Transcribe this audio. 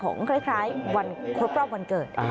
คล้ายวันครบรอบวันเกิด